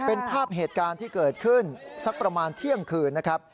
เป็นภาพเหตุการณ์ที่เกิดขึ้นสักประมาณเที่ยงคืนนะครับ